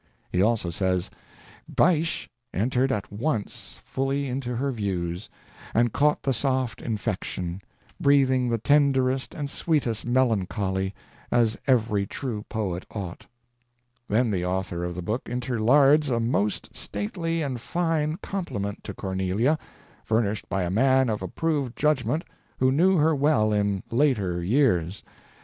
He also says, "Bysshe entered at once fully into her views and caught the soft infection, breathing the tenderest and sweetest melancholy, as every true poet ought." Then the author of the book interlards a most stately and fine compliment to Cornelia, furnished by a man of approved judgment who knew her well "in later years."